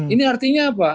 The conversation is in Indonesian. ini artinya apa